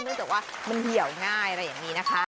จากว่ามันเหี่ยวง่ายอะไรอย่างนี้นะคะ